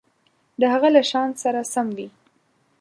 د هغه له شأن سره سم وي.